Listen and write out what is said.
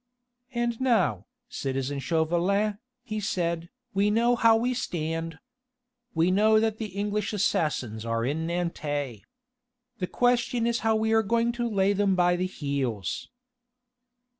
"And now, citizen Chauvelin," he said, "we know how we stand. We know that the English assassins are in Nantes. The question is how are we going to lay them by the heels."